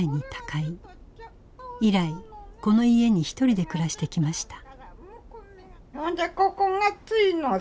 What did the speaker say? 以来この家にひとりで暮らしてきました。